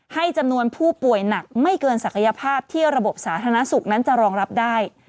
ให้จำนวนผู้ป่วยหนักไม่เกินศักยภาพที่ระบบสาธารณสุขนั้นจะรองรับได้